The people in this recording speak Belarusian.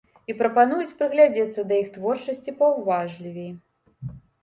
І прапануюць прыглядзецца да іх творчасці паўважлівей.